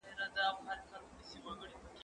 زه به بازار ته تللی وي!؟